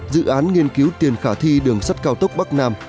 dự án nghiên cứu tiền khả thi đường sắt cao tốc bắc nam